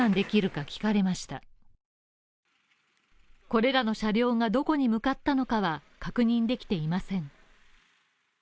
これらの車両がどこに向かったのかは確認できていません。